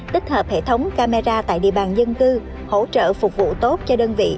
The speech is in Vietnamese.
tích hợp hệ thống camera tại địa bàn dân cư hỗ trợ phục vụ tốt cho đơn vị